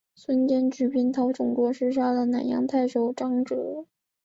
孙坚举兵讨董卓时杀了南阳太守张咨。